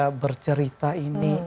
saya bercerita ini